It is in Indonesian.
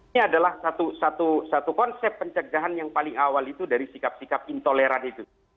ini adalah satu konsep pencegahan yang paling awal itu dari sikap sikap intoleran itu